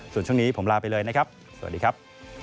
ส่วนช่วงนี้ผมลาไปเลยนะครับสวัสดีครับ